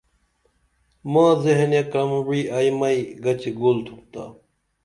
ماں ذہینے کرم وعی ائی مئی گچگول تُھمتا